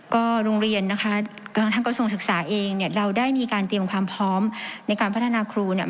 ก็โรงเรียนนะคะกระทั่งกระทรวงศึกษาเองเนี่ยเราได้มีการเตรียมความพร้อมในการพัฒนาครูเนี่ย